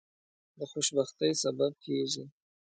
د خوشبختی سبب کیږي.